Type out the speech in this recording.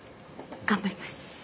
頑張ります。